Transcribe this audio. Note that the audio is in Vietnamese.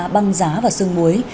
băng giá và xương muối